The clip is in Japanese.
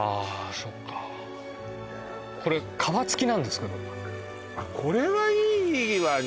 そっかこれ川付きなんですけどあっこれはいいわね